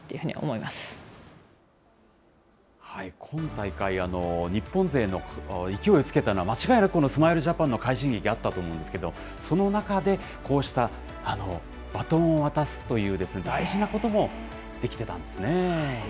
今大会、日本勢の勢いをつけたのは間違いなく、このスマイルジャパンの快進撃があったと思うんですけど、その中で、こうしたバトンを渡すという大事なこともできてたんですね。